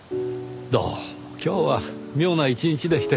どうも今日は妙な一日でして。